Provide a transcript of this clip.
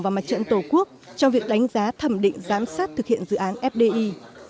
và mặt trận tổ quốc trong việc đánh giá thẩm định giám sát thực hiện dự án fdi